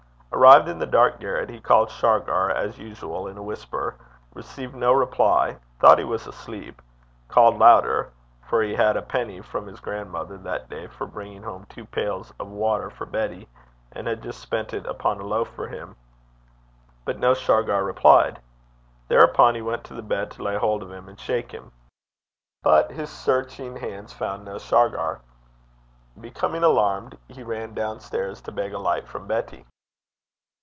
Arrived in the dark garret, he called Shargar, as usual, in a whisper received no reply thought he was asleep called louder (for he had had a penny from his grandmother that day for bringing home two pails of water for Betty, and had just spent it upon a loaf for him) but no Shargar replied. Thereupon he went to the bed to lay hold of him and shake him. But his searching hands found no Shargar. Becoming alarmed, he ran down stairs to beg a light from Betty.